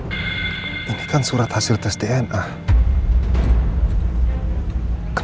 sampai lanjut sulit sih whoca